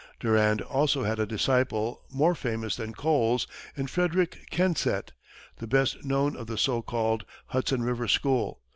Durand also had a disciple, more famous than Cole's, in Frederick Kensett, the best known of the so called Hudson River school.